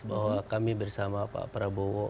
bahwa kami bersama pak prabowo